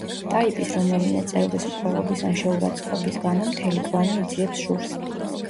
ტაიპის რომელიმე წევრის მკვლელობის ან შეურაცხყოფის გამო მთელი კლანი იძიებს შურს.